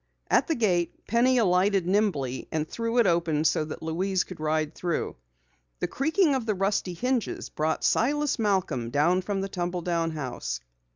At the gate Penny alighted nimbly and threw it open so that Louise could ride through. The creaking of the rusty hinges brought Silas Malcom from the tumble down house.